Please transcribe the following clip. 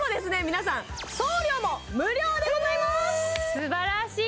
皆さん送料も無料でございますすばらしい！